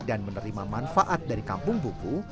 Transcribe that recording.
dan menerima manfaat dari kampung buku